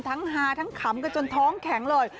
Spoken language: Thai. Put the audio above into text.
ทั้งฮาทั้งขำก็จนท้องแข็งเลย